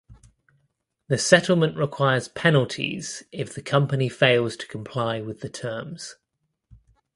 The settlement requires penalties if the company fails to comply with the terms.